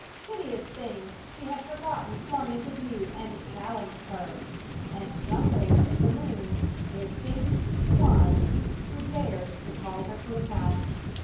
Hideous things she had forgotten flung into view and challenged her; and somewhere in the room there seemed to be One who dared to call her to account.